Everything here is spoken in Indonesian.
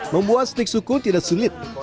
membuat stik suku tidak sulit